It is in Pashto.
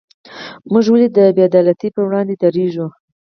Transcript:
موږ ولې د بې عدالتۍ پر وړاندې دریږو؟